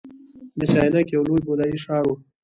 مس عینک یو لوی بودايي ښار و